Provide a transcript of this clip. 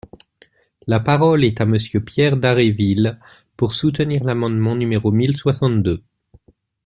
La parole est à Monsieur Pierre Dharréville, pour soutenir l’amendement numéro mille soixante-deux.